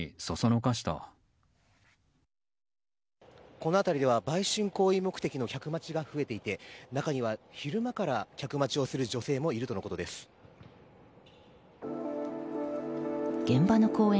この辺りでは売春行為目的の客待ちが増えていて中には昼間から客待ちをする現場の公園